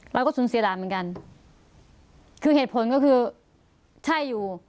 เราก็สูญเสียหลานเหมือนกันคือเหตุผลก็คือใช่อยู่